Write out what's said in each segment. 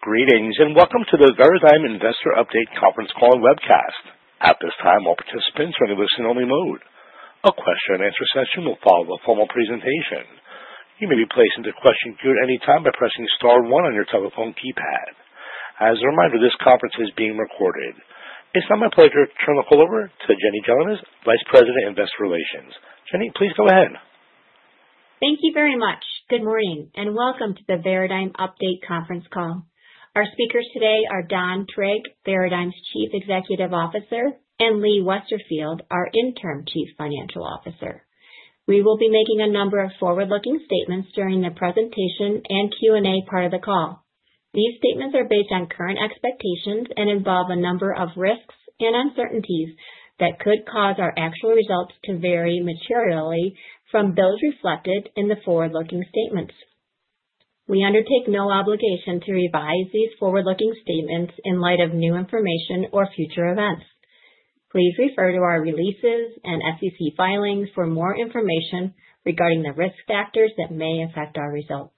Greetings and welcome to the Veradigm Investor Update Conference Call and Webcast. At this time, all participants are in a listen-only mode. A question-and-answer session will follow a formal presentation. You may be placed into question queue at any time by pressing star one on your telephone keypad. As a reminder, this conference is being recorded. It's now my pleasure to turn the call over to Jenny Gelinas, Vice President, Investor Relations. Jenny, please go ahead. Thank you very much. Good morning and welcome to the Veradigm Update Conference Call. Our speakers today are Don Trigg, Veradigm's Chief Executive Officer, and Lee Westerfield, our Interim Chief Financial Officer. We will be making a number of forward-looking statements during the presentation and Q&A part of the call. These statements are based on current expectations and involve a number of risks and uncertainties that could cause our actual results to vary materially from those reflected in the forward-looking statements. We undertake no obligation to revise these forward-looking statements in light of new information or future events. Please refer to our releases and SEC filings for more information regarding the risk factors that may affect our results.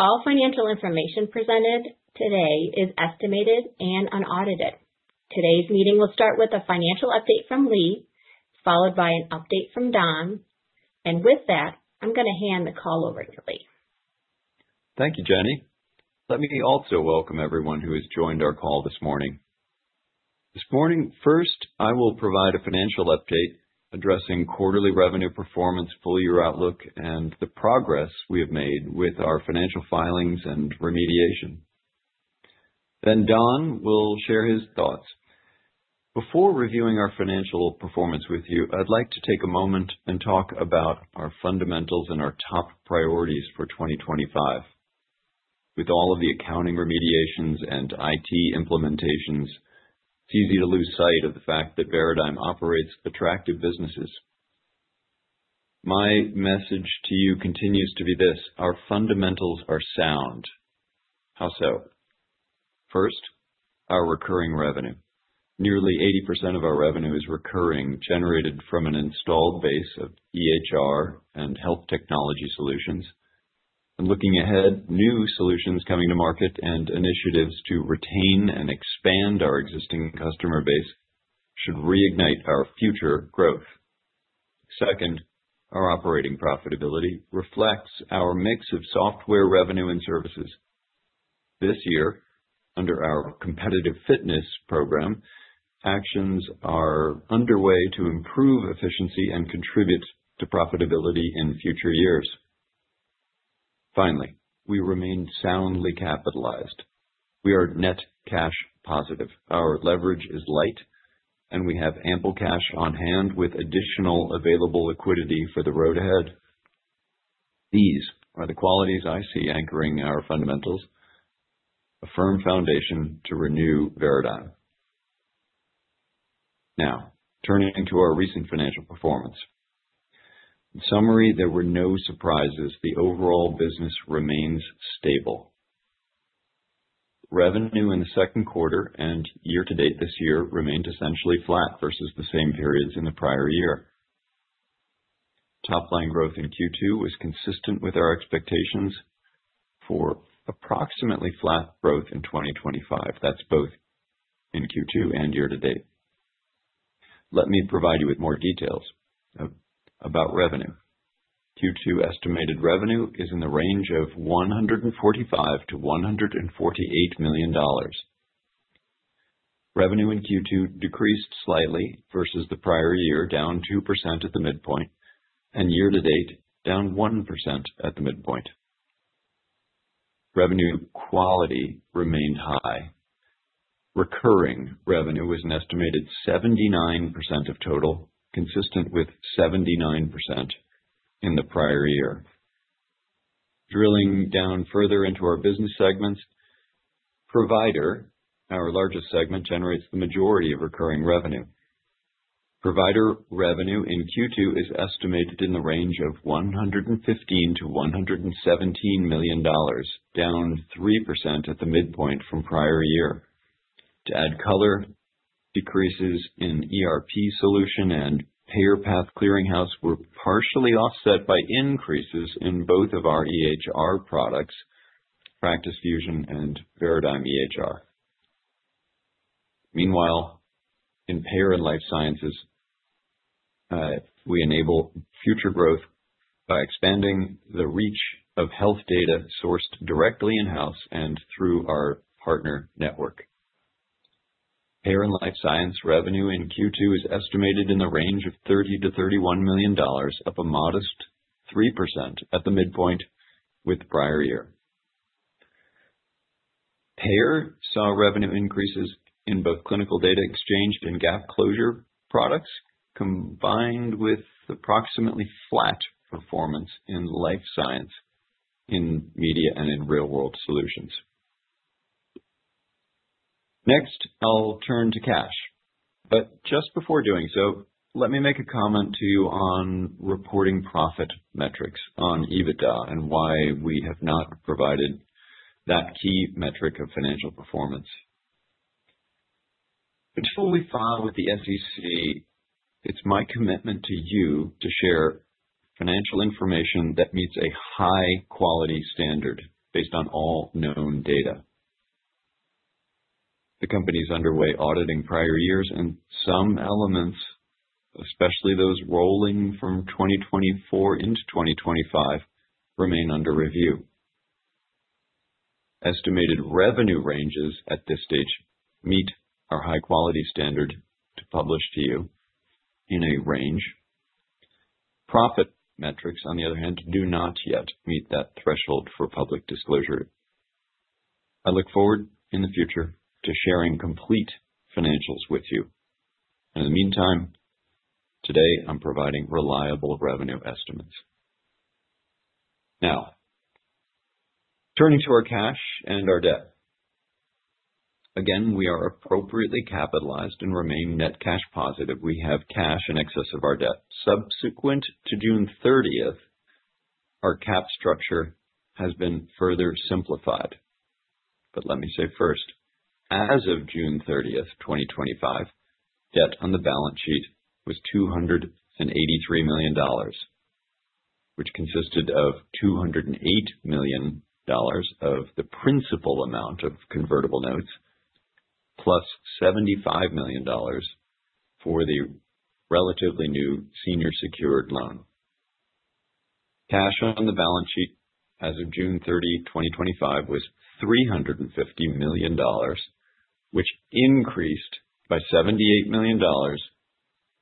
All financial information presented today is estimated and unaudited. Today's meeting will start with a financial update from Lee, followed by an update from Don. With that, I'm going to hand the call over to Lee. Thank you, Jenny. Let me also welcome everyone who has joined our call this morning. This morning, first, I will provide a financial update addressing quarterly revenue performance, full-year outlook, and the progress we have made with our financial filings and remediation. Then Don will share his thoughts. Before reviewing our financial performance with you, I'd like to take a moment and talk about our fundamentals and our top priorities for 2025. With all of the accounting remediations and IT implementations, it's easy to lose sight of the fact that Veradigm operates attractive businesses. My message to you continues to be this: our fundamentals are sound. How so? First, our recurring revenue. Nearly 80% of our revenue is recurring, generated from an installed base of EHR and health technology solutions. Looking ahead, new solutions coming to market and initiatives to retain and expand our existing customer base should reignite our future growth. Second, our operating profitability reflects our mix of software revenue and services. This year, under our competitive fitness program, actions are underway to improve efficiency and contribute to profitability in future years. Finally, we remain soundly capitalized. We are net cash positive. Our leverage is light, and we have ample cash on hand with additional available liquidity for the road ahead. These are the qualities I see anchoring our fundamentals: a firm foundation to renew Veradigm. Now, turning to our recent financial performance. In summary, there were no surprises. The overall business remains stable. Revenue in the second quarter and year-to-date this year remained essentially flat versus the same periods in the prior year. Top-line growth in Q2 was consistent with our expectations for approximately flat growth in 2025. That's both in Q2 and year-to-date. Let me provide you with more details about revenue. Q2 estimated revenue is in the range of $145 million-$148 million. Revenue in Q2 decreased slightly versus the prior year, down 2% at the midpoint, and year-to-date, down 1% at the midpoint. Revenue quality remained high. Recurring revenue was an estimated 79% of total, consistent with 79% in the prior year. Drilling down further into our business segments, provider, our largest segment, generates the majority of recurring revenue. Provider revenue in Q2 is estimated in the range of $115 million-$117 million, down 3% at the midpoint from prior year. To add color, decreases in ERP solution and PayerPath clearinghouse were partially offset by increases in both of our EHR products, Practice Fusion and Veradigm EHR. Meanwhile, in payer and life sciences, we enable future growth by expanding the reach of health data sourced directly in-house and through our partner network. Payer and life science revenue in Q2 is estimated in the range of $30 million-$31 million of a modest 3% at the midpoint with prior year. Payer saw revenue increases in both clinical data exchanged and gap closure products, combined with approximately flat performance in life science, in media, and in real-world solutions. Next, I'll turn to cash. But just before doing so, let me make a comment to you on reporting profit metrics on EBITDA and why we have not provided that key metric of financial performance. Until we file with the SEC, it's my commitment to you to share financial information that meets a high-quality standard based on all known data. The company is underway auditing prior years, and some elements, especially those rolling from 2024 into 2025, remain under review. Estimated revenue ranges at this stage meet our high-quality standard to publish to you in a range. Profit metrics, on the other hand, do not yet meet that threshold for public disclosure. I look forward in the future to sharing complete financials with you, and in the meantime, today, I'm providing reliable revenue estimates. Now, turning to our cash and our debt. Again, we are appropriately capitalized and remain net cash positive. We have cash in excess of our debt. Subsequent to June 30th, our capital structure has been further simplified. But let me say first, as of June 30th, 2025, debt on the balance sheet was $283 million, which consisted of $208 million of the principal amount of convertible notes, plus $75 million for the relatively new senior secured loan. Cash on the balance sheet as of June 30th, 2025, was $350 million, which increased by $78 million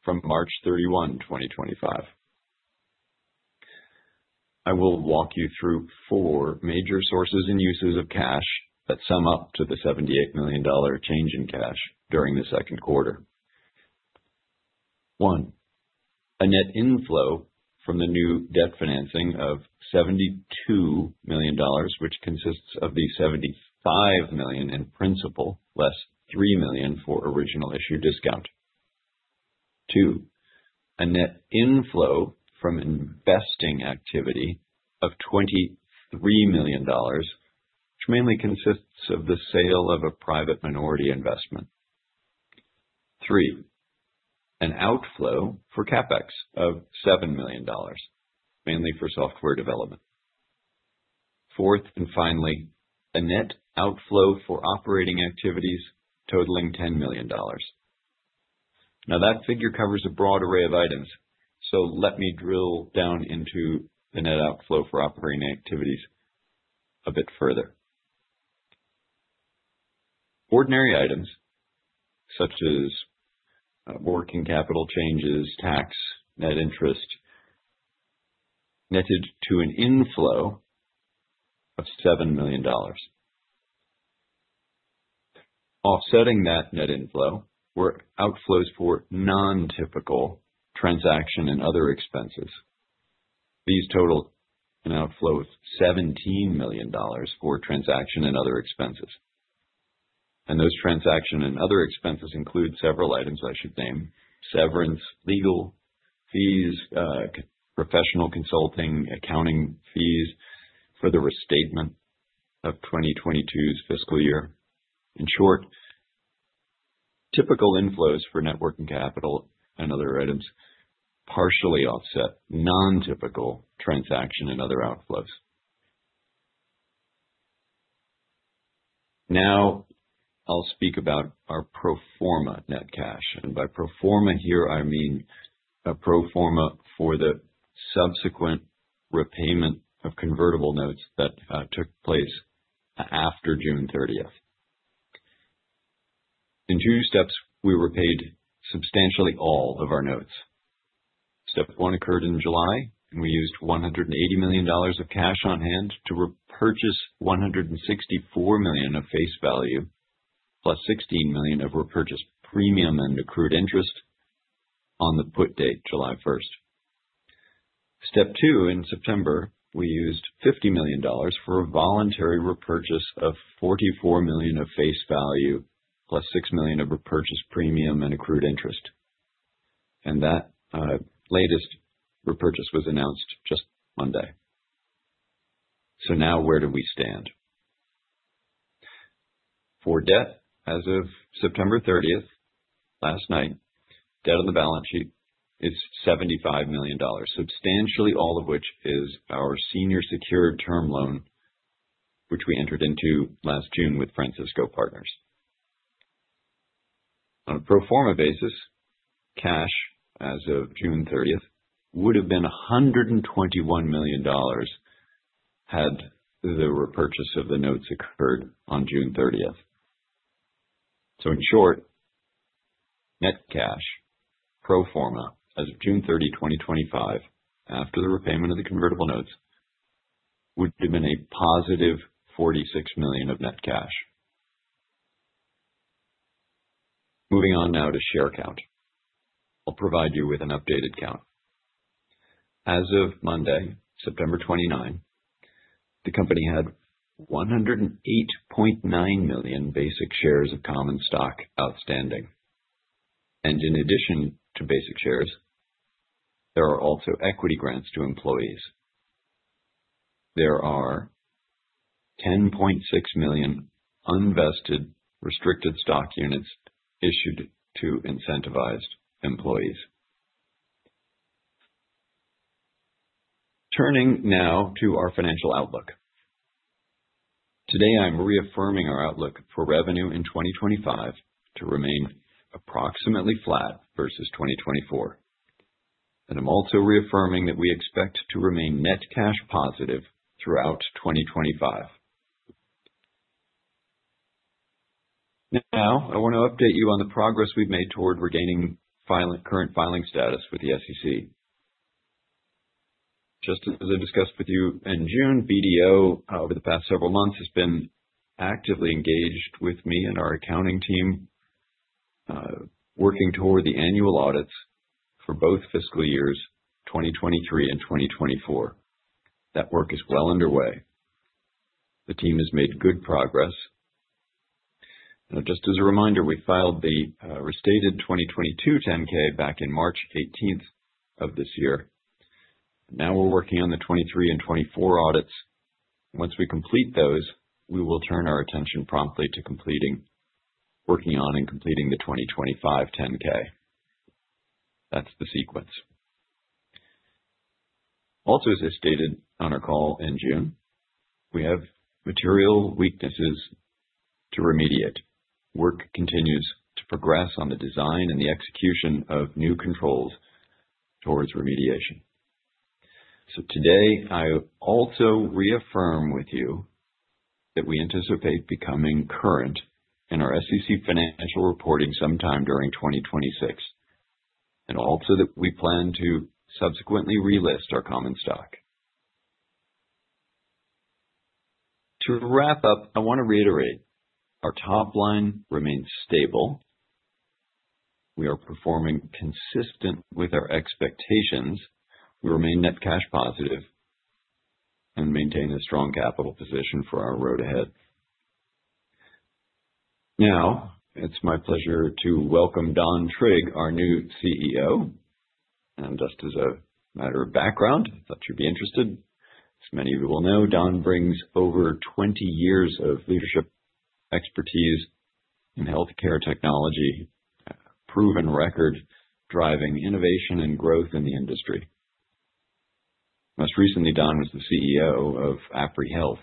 from March 31, 2025. I will walk you through four major sources and uses of cash that sum up to the $78 million change in cash during the second quarter. One, a net inflow from the new debt financing of $72 million, which consists of the $75 million in principal, less $3 million for original issue discount. Two, a net inflow from investing activity of $23 million, which mainly consists of the sale of a private minority investment. Three, an outflow for CapEx of $7 million, mainly for software development. Fourth, and finally, a net outflow for operating activities totaling $10 million. Now, that figure covers a broad array of items, so let me drill down into the net outflow for operating activities a bit further. Ordinary items, such as working capital changes, tax, net interest, netted to an inflow of $7 million. Offsetting that net inflow were outflows for non-typical transaction and other expenses. These total an outflow of $17 million for transaction and other expenses, and those transaction and other expenses include several items I should name: severance, legal fees, professional consulting, accounting fees for the restatement of 2022's fiscal year. In short, typical inflows for working capital and other items partially offset non-typical transaction and other outflows. Now, I'll speak about our pro forma net cash. By pro forma here, I mean a pro forma for the subsequent repayment of convertible notes that took place after June 30th. In two steps, we repaid substantially all of our notes. Step one occurred in July, and we used $180 million of cash on hand to repurchase $164 million of face value, plus $16 million of repurchase premium and accrued interest on the put date, July 1st. Step two, in September, we used $50 million for a voluntary repurchase of $44 million of face value, plus $6 million of repurchase premium and accrued interest. That latest repurchase was announced just Monday. Now, where do we stand? For debt, as of September 30th, last night, debt on the balance sheet is $75 million, substantially all of which is our senior secured term loan, which we entered into last June with Francisco Partners. On a pro forma basis, cash as of June 30th would have been $121 million had the repurchase of the notes occurred on June 30th. So in short, net cash, pro forma, as of June 30, 2025, after the repayment of the convertible notes, would have been a positive $46 million of net cash. Moving on now to share count. I'll provide you with an updated count. As of Monday, September 29, the company had 108.9 million basic shares of common stock outstanding. And in addition to basic shares, there are also equity grants to employees. There are 10.6 million unvested restricted stock units issued to incentivized employees. Turning now to our financial outlook. Today, I'm reaffirming our outlook for revenue in 2025 to remain approximately flat versus 2024. And I'm also reaffirming that we expect to remain net cash positive throughout 2025. Now, I want to update you on the progress we've made toward regaining current filing status with the SEC. Just as I discussed with you in June, BDO, over the past several months, has been actively engaged with me and our accounting team working toward the annual audits for both fiscal years, 2023 and 2024. That work is well underway. The team has made good progress. Just as a reminder, we filed the restated 2022 10-K back on March 18th of this year. Now we're working on the 2023 and 2024 audits. Once we complete those, we will turn our attention promptly to working on and completing the 2025 10-K. That's the sequence. Also, as I stated on our call in June, we have material weaknesses to remediate. Work continues to progress on the design and the execution of new controls towards remediation. Today, I also reaffirm with you that we anticipate becoming current in our SEC financial reporting sometime during 2026, and also that we plan to subsequently relist our common stock. To wrap up, I want to reiterate our top line remains stable. We are performing consistent with our expectations. We remain net cash positive and maintain a strong capital position for our road ahead. Now, it's my pleasure to welcome Don Trigg, our new CEO. Just as a matter of background, I thought you'd be interested. As many of you will know, Don brings over 20 years of leadership expertise in healthcare technology, a proven record driving innovation and growth in the industry. Most recently, Don was the CEO of Apree Health.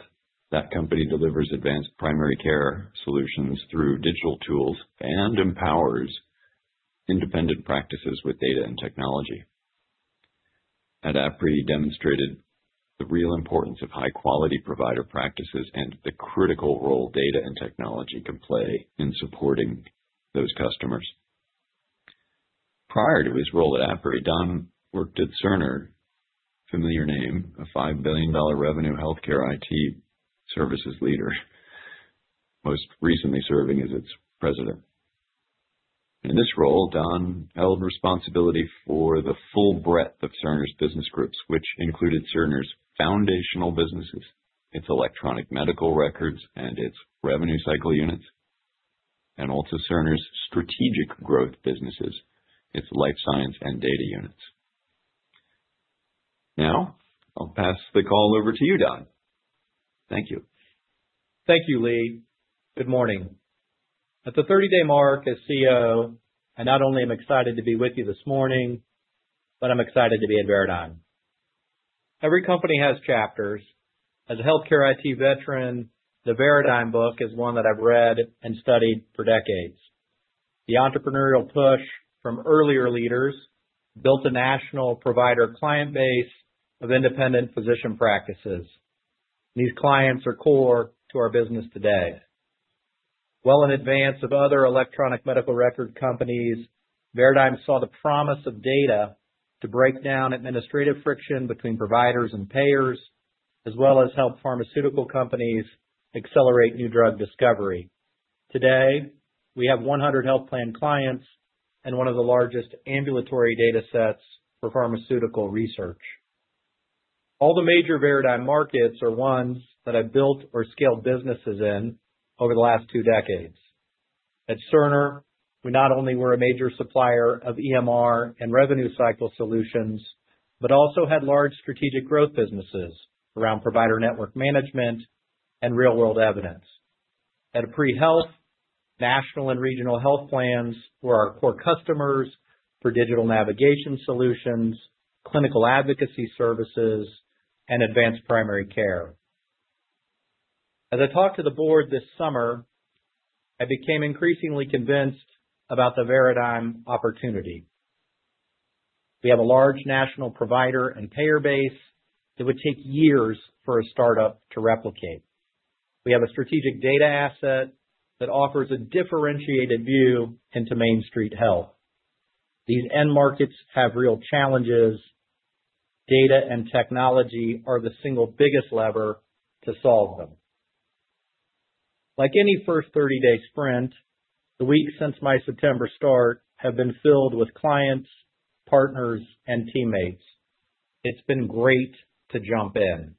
That company delivers advanced primary care solutions through digital tools and empowers independent practices with data and technology. At Apree, he demonstrated the real importance of high-quality provider practices and the critical role data and technology can play in supporting those customers. Prior to his role at Apree, Don worked at Cerner, familiar name, a $5 billion revenue healthcare IT services leader, most recently serving as its president. In this role, Don held responsibility for the full breadth of Cerner's business groups, which included Cerner's foundational businesses, its electronic medical records, and its revenue cycle units, and also Cerner's strategic growth businesses, its life science and data units. Now, I'll pass the call over to you, Don. Thank you. Thank you, Lee. Good morning. At the 30-day mark as CEO, I not only am excited to be with you this morning, but I'm excited to be at Veradigm. Every company has chapters. As a healthcare IT veteran, the Veradigm book is one that I've read and studied for decades. The entrepreneurial push from earlier leaders built a national provider client base of independent physician practices. These clients are core to our business today. Well in advance of other electronic medical record companies, Veradigm saw the promise of data to break down administrative friction between providers and payers, as well as help pharmaceutical companies accelerate new drug discovery. Today, we have 100 health plan clients and one of the largest ambulatory data sets for pharmaceutical research. All the major Veradigm markets are ones that have built or scaled businesses in over the last two decades. At Cerner, we not only were a major supplier of EMR and revenue cycle solutions, but also had large strategic growth businesses around provider network management and real-world evidence. At Apree Health, national and regional health plans were our core customers for digital navigation solutions, clinical advocacy services, and advanced primary care. As I talked to the board this summer, I became increasingly convinced about the Veradigm opportunity. We have a large national provider and payer base that would take years for a startup to replicate. We have a strategic data asset that offers a differentiated view into Main Street Health. These end markets have real challenges. Data and technology are the single biggest lever to solve them. Like any first 30-day sprint, the weeks since my September start have been filled with clients, partners, and teammates. It's been great to jump in.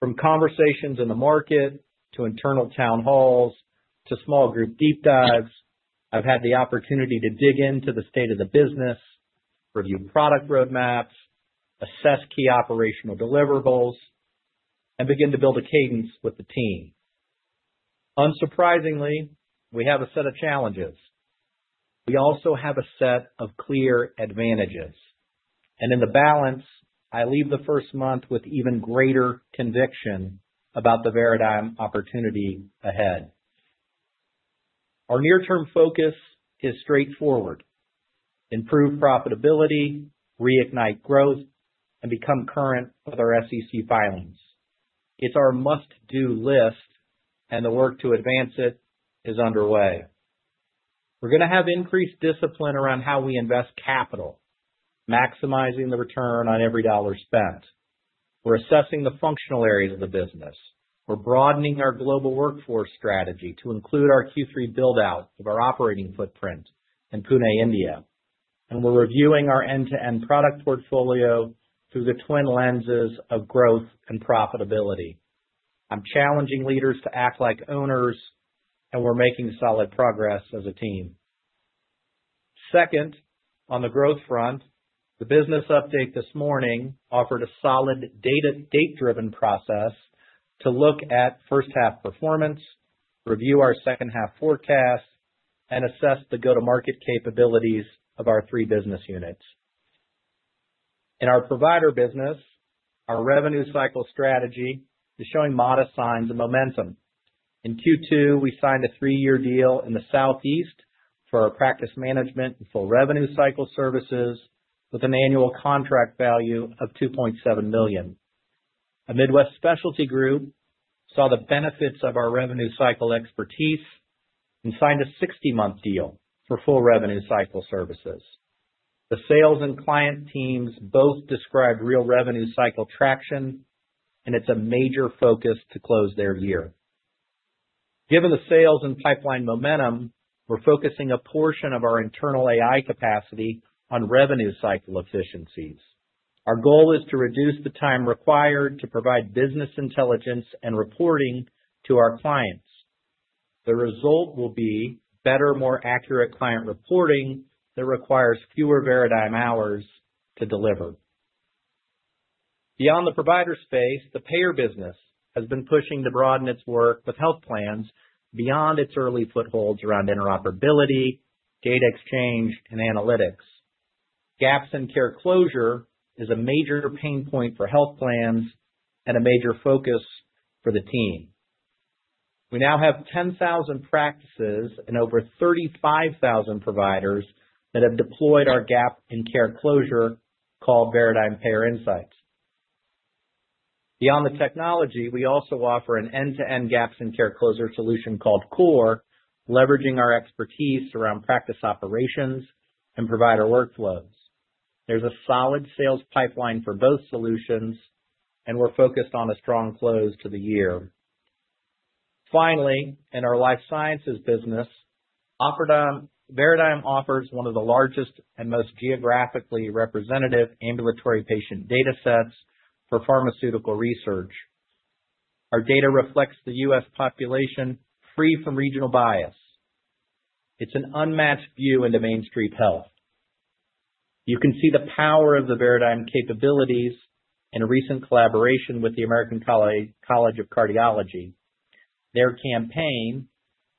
From conversations in the market to internal town halls to small group deep dives, I've had the opportunity to dig into the state of the business, review product roadmaps, assess key operational deliverables, and begin to build a cadence with the team. Unsurprisingly, we have a set of challenges. We also have a set of clear advantages, and in the balance, I leave the first month with even greater conviction about the Veradigm opportunity ahead. Our near-term focus is straightforward: improve profitability, reignite growth, and become current with our SEC filings. It's our must-do list, and the work to advance it is underway. We're going to have increased discipline around how we invest capital, maximizing the return on every dollar spent. We're assessing the functional areas of the business. We're broadening our global workforce strategy to include our Q3 buildout of our operating footprint in Pune, India. We're reviewing our end-to-end product portfolio through the twin lenses of growth and profitability. I'm challenging leaders to act like owners, and we're making solid progress as a team. Second, on the growth front, the business update this morning offered a solid data-driven process to look at first-half performance, review our second-half forecast, and assess the go-to-market capabilities of our three business units. In our provider business, our revenue cycle strategy is showing modest signs of momentum. In Q2, we signed a three-year deal in the Southeast for our practice management and full revenue cycle services with an annual contract value of $2.7 million. A Midwest specialty group saw the benefits of our revenue cycle expertise and signed a 60-month deal for full revenue cycle services. The sales and client teams both described real revenue cycle traction, and it's a major focus to close their year. Given the sales and pipeline momentum, we're focusing a portion of our internal AI capacity on revenue cycle efficiencies. Our goal is to reduce the time required to provide business intelligence and reporting to our clients. The result will be better, more accurate client reporting that requires fewer Veradigm hours to deliver. Beyond the provider space, the payer business has been pushing to broaden its work with health plans beyond its early footholds around interoperability, data exchange, and analytics. Gaps in care closure is a major pain point for health plans and a major focus for the team. We now have 10,000 practices and over 35,000 providers that have deployed our gap and care closure called Veradigm Payer Insights. Beyond the technology, we also offer an end-to-end gaps and care closure solution called Core, leveraging our expertise around practice operations and provider workflows. There's a solid sales pipeline for both solutions, and we're focused on a strong close to the year. Finally, in our life sciences business, Veradigm offers one of the largest and most geographically representative ambulatory patient data sets for pharmaceutical research. Our data reflects the U.S. population free from regional bias. It's an unmatched view into Main Street Health. You can see the power of the Veradigm capabilities in a recent collaboration with the American College of Cardiology. Their campaign,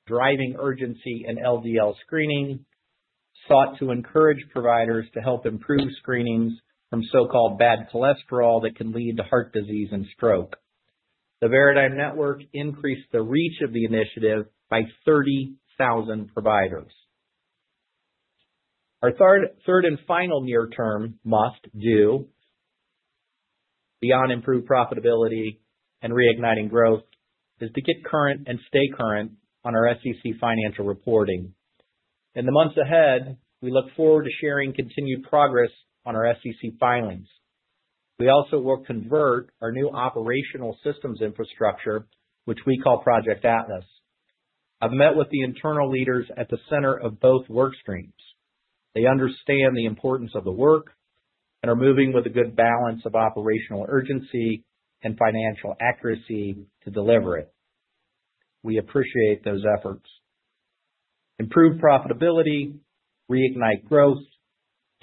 Driving Urgency and LDL Screening, sought to encourage providers to help improve screenings from so-called bad cholesterol that can lead to heart disease and stroke. The Veradigm network increased the reach of the initiative by 30,000 providers. Our third and final near-term must-do, beyond improved profitability and reigniting growth, is to get current and stay current on our SEC financial reporting. In the months ahead, we look forward to sharing continued progress on our SEC filings. We also will convert our new operational systems infrastructure, which we call Project Atlas. I've met with the internal leaders at the center of both work streams. They understand the importance of the work and are moving with a good balance of operational urgency and financial accuracy to deliver it. We appreciate those efforts. Improve profitability, reignite growth,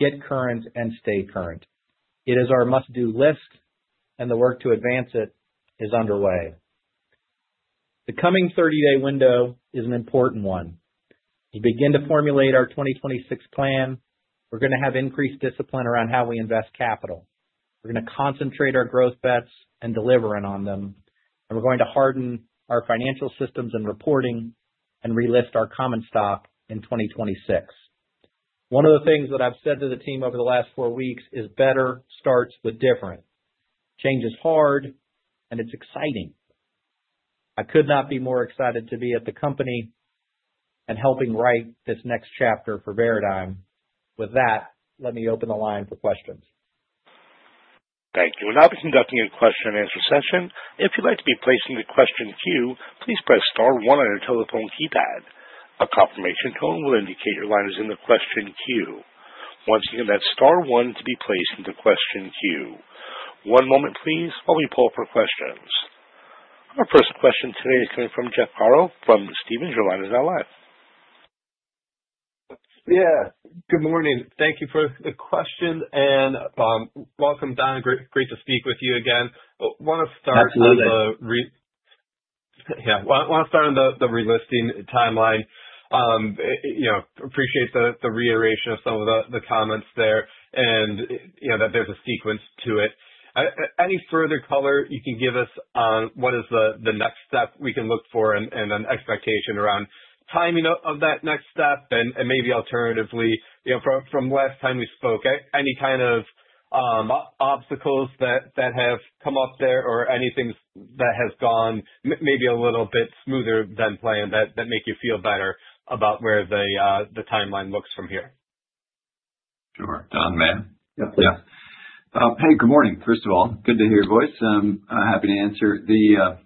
get current, and stay current. It is our must-do list, and the work to advance it is underway. The coming 30-day window is an important one. We begin to formulate our 2026 plan. We're going to have increased discipline around how we invest capital. We're going to concentrate our growth bets and deliver on them. And we're going to harden our financial systems and reporting and relist our common stock in 2026. One of the things that I've said to the team over the last four weeks is better starts with different. Change is hard, and it's exciting. I could not be more excited to be at the company and helping write this next chapter for Veradigm. With that, let me open the line for questions. Thank you, and now, I'll be conducting a question-and-answer session. If you'd like to be placed in the question queue, please press star one on your telephone keypad. A confirmation tone will indicate your line is in the question queue. Once again, that's star one to be placed in the question queue. One moment, please, while we pull up our questions. Our first question today is coming from Jeff Garro from Stephens Inc. Yeah. Good morning. Thank you for the question and welcome, Don. Great to speak with you again. Want to start on the. Absolutely. Yeah. Want to start on the relisting timeline. Appreciate the reiteration of some of the comments there and that there's a sequence to it. Any further color you can give us on what is the next step we can look for and an expectation around timing of that next step and maybe alternatively from last time we spoke, any kind of obstacles that have come up there or anything that has gone maybe a little bit smoother than planned that make you feel better about where the timeline looks from here? Sure. Don Trigg. Yep. Yeah. Hey, good morning, first of all. Good to hear your voice. I'm happy to answer the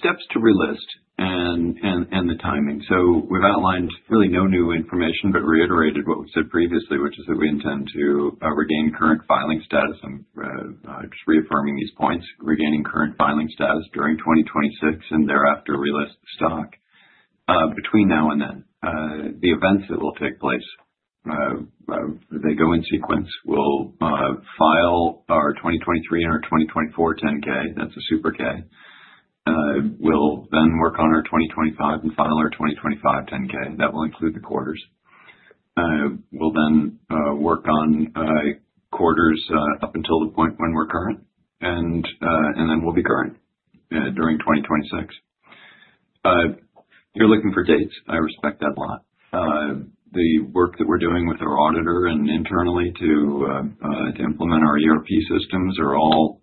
steps to relist and the timing. So we've outlined really no new information but reiterated what we said previously, which is that we intend to regain current filing status. I'm just reaffirming these points: regaining current filing status during 2026 and thereafter relist stock between now and then. The events that will take place, they go in sequence. We'll file our 2023 and our 2024 10-K. That's a super K. We'll then work on our 2025 and file our 2025 10-K. That will include the quarters. We'll then work on quarters up until the point when we're current, and then we'll be current during 2026. You're looking for dates. I respect that a lot. The work that we're doing with our auditor and internally to implement our ERP systems are all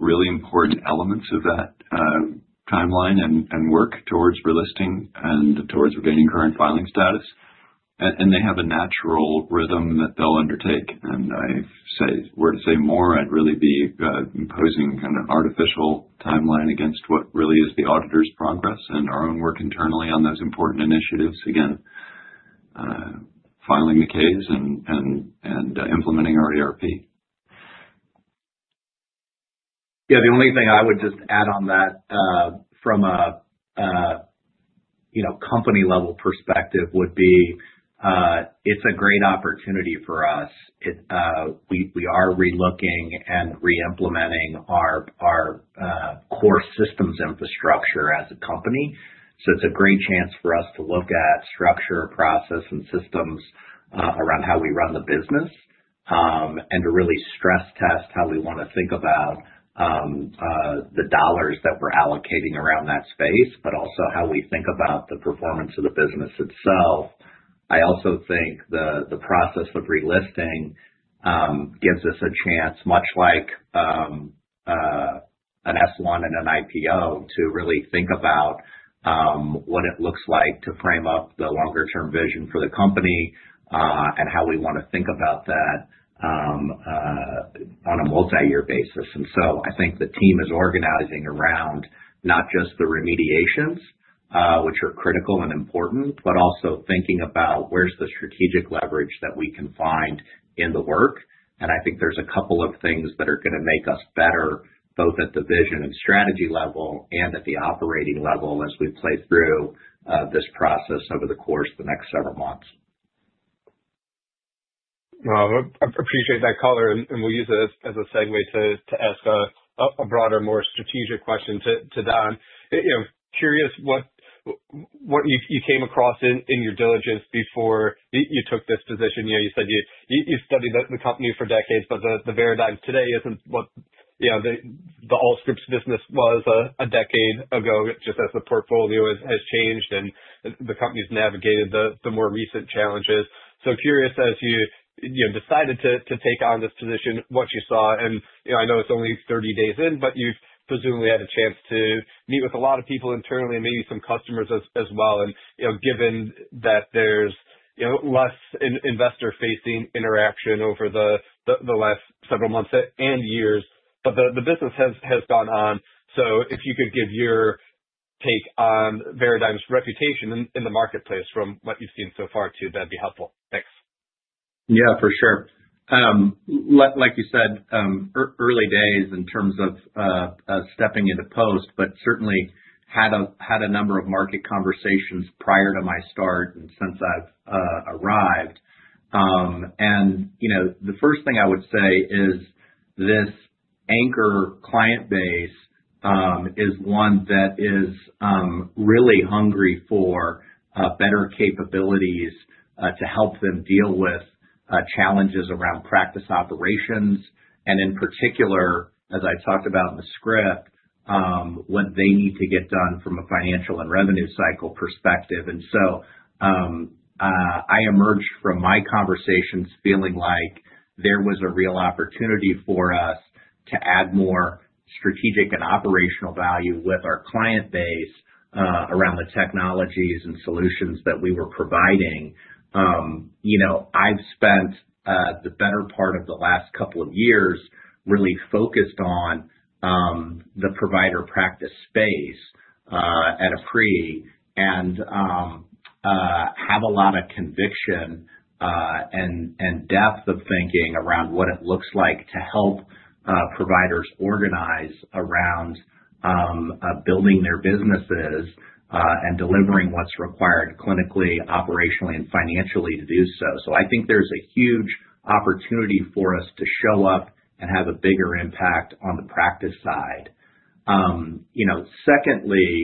really important elements of that timeline and work towards relisting and towards regaining current filing status. They have a natural rhythm that they'll undertake. If I were to say more, I'd really be imposing kind of an artificial timeline against what really is the auditor's progress and our own work internally on those important initiatives, again, filing the Ks and implementing our ERP. Yeah. The only thing I would just add on that from a company-level perspective would be it's a great opportunity for us. We are relooking and reimplementing our core systems infrastructure as a company. So it's a great chance for us to look at structure, process, and systems around how we run the business and to really stress test how we want to think about the dollars that we're allocating around that space, but also how we think about the performance of the business itself. I also think the process of relisting gives us a chance, much like an S1 and an IPO, to really think about what it looks like to frame up the longer-term vision for the company and how we want to think about that on a multi-year basis. And so I think the team is organizing around not just the remediations, which are critical and important, but also thinking about where's the strategic leverage that we can find in the work. And I think there's a couple of things that are going to make us better both at the vision and strategy level and at the operating level as we play through this process over the course of the next several months. Well, I appreciate that color. And we'll use this as a segue to ask a broader, more strategic question to Don. Curious what you came across in your diligence before you took this position? You said you studied the company for decades, but the Veradigm today isn't what the Allscripts business was a decade ago, just as the portfolio has changed and the company's navigated the more recent challenges. So curious, as you decided to take on this position, what you saw? And I know it's only 30 days in, but you've presumably had a chance to meet with a lot of people internally and maybe some customers as well. And given that there's less investor-facing interaction over the last several months and years, but the business has gone on. So if you could give your take on Veradigm's reputation in the marketplace from what you've seen so far too, that'd be helpful. Thanks. Yeah, for sure. Like you said, early days in terms of stepping into post, but certainly had a number of market conversations prior to my start and since I've arrived. And the first thing I would say is this anchor client base is one that is really hungry for better capabilities to help them deal with challenges around practice operations. And in particular, as I talked about in the script, what they need to get done from a financial and revenue cycle perspective. And so I emerged from my conversations feeling like there was a real opportunity for us to add more strategic and operational value with our client base around the technologies and solutions that we were providing. I've spent the better part of the last couple of years really focused on the provider practice space at Apree and have a lot of conviction and depth of thinking around what it looks like to help providers organize around building their businesses and delivering what's required clinically, operationally, and financially to do so, so I think there's a huge opportunity for us to show up and have a bigger impact on the practice side. Secondly,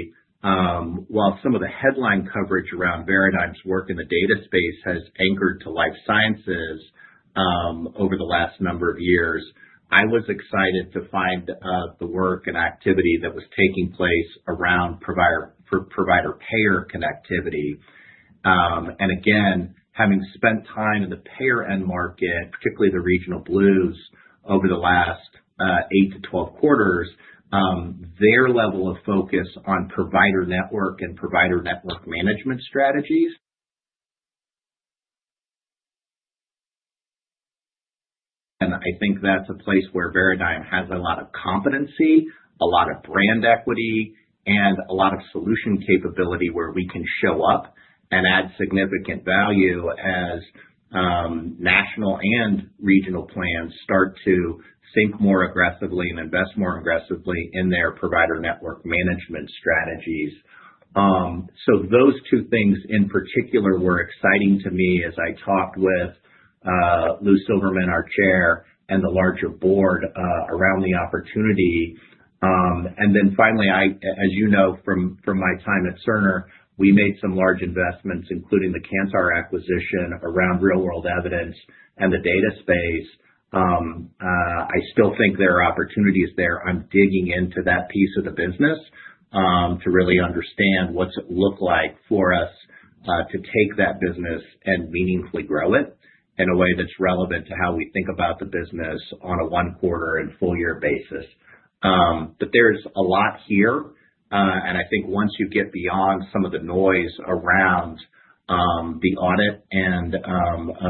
while some of the headline coverage around Veradigm's work in the data space has anchored to life sciences over the last a number of years, I was excited to find the work and activity that was taking place around provider-payer connectivity, and again, having spent time in the payer end market, particularly the regional Blues over the last eight to 12 quarters, their level of focus on provider network and provider network management strategies. And I think that's a place where Veradigm has a lot of competency, a lot of brand equity, and a lot of solution capability where we can show up and add significant value as national and regional plans start to think more aggressively and invest more aggressively in their provider network management strategies. So those two things in particular were exciting to me as I talked with Lou Silverman, our chair, and the larger board around the opportunity. And then finally, as you know, from my time at Cerner, we made some large investments, including the Kantar acquisition around real-world evidence and the data space. I still think there are opportunities there. I'm digging into that piece of the business to really understand what's it look like for us to take that business and meaningfully grow it in a way that's relevant to how we think about the business on a one-quarter and full-year basis. But there's a lot here, and I think once you get beyond some of the noise around the audit and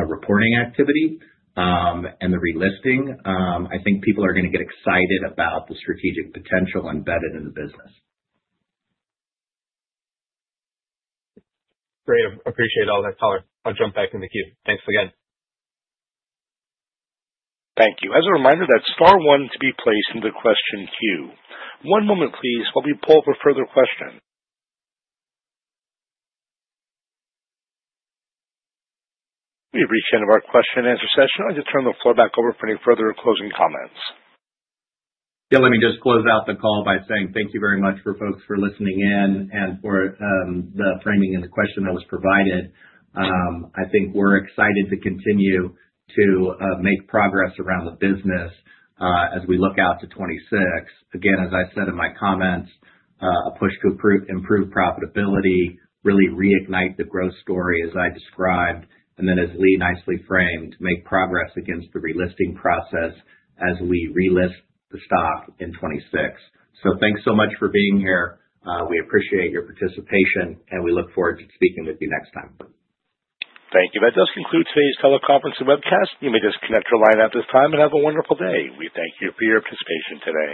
reporting activity and the relisting, I think people are going to get excited about the strategic potential embedded in the business. Great. Appreciate all that color. I'll jump back in the queue. Thanks again. Thank you. As a reminder, that's star one to be placed in the question queue. One moment, please, while we pull up a further question. We've reached the end of our question-and-answer session. I'll just turn the floor back over for any further closing comments. Yeah. Let me just close out the call by saying thank you very much for folks for listening in and for the framing and the question that was provided. I think we're excited to continue to make progress around the business as we look out to 2026. Again, as I said in my comments, a push to improve profitability, really reignite the growth story as I described, and then, as Lee nicely framed, make progress against the relisting process as we relist the stock in 2026. So thanks so much for being here. We appreciate your participation, and we look forward to speaking with you next time. Thank you. That does conclude today's color conference and webcast. You may disconnect your line at this time and have a wonderful day. We thank you for your participation today.